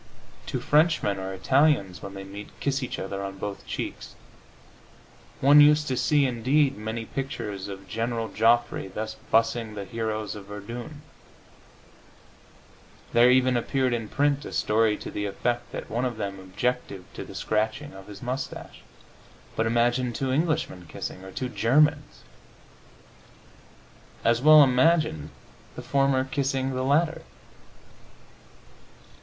Two Frenchmen or Italians, when they meet, kiss each other on both cheeks. One used to see, indeed, many pictures of General Joffre thus bussing the heroes of Verdun; there even appeared in print a story to the effect that one of them objected to the scratching of his moustache. But imagine two Englishmen kissing! Or two Germans! As well imagined the former kissing the latter!